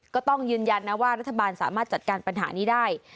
ก็ต้องยืนยันนะว่ารัฐบาลสามารถจัดการปัญหานี้ได้